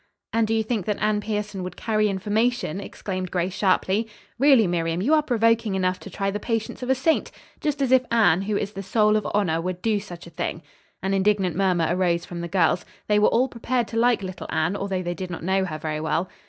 "And do you think that Anne Pierson would carry information?" exclaimed Grace sharply. "Really, Miriam, you are provoking enough to try the patience of a saint. Just as if Anne, who is the soul of honor, would do such a thing." An indignant murmur arose from the girls. They were all prepared to like little Anne, although they did not know her very well.